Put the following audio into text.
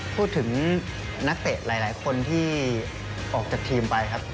พูดถึงนักเตะหลายคนที่ออกจากทีมไปครับ